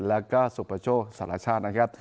แล้วก็สุปโชคสารชาตินะครับ